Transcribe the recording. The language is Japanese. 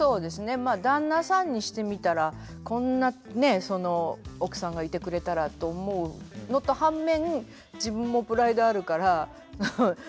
まあ旦那さんにしてみたらこんなね奥さんがいてくれたらと思うのと反面自分もプライドあるから留守って聞いて安心してっていう。